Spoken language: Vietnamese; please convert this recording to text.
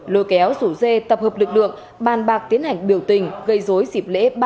lôi kéo rủ dê tập hợp lực lượng bàn bạc tiến hành biểu tình gây rối dịp lễ